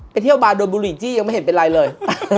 เที่ยวบาร์โดนบุหรี่จี้ยังไม่เห็นเป็นไรเลย